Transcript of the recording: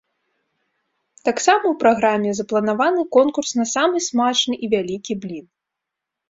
Таксама ў праграме запланаваны конкурс на самы смачны і вялікі блін.